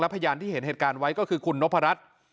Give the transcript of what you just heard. พยานที่เห็นเหตุการณ์ไว้ก็คือคุณนพรัช